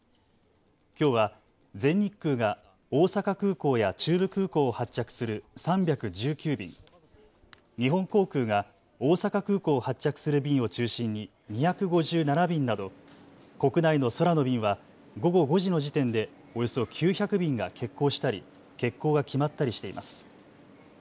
きょうは全日空が大阪空港や中部空港を発着する３１９便、日本航空が大阪空港を発着する便を中心に２５７便など国内の空の便は午後５時の時点でおよそ９００便が欠航したり欠航が決まったりしています。